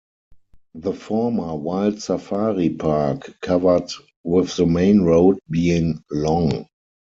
The former Wild Safari park covered with the main road being long.